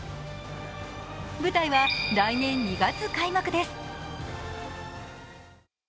舞台は来年２月開幕です。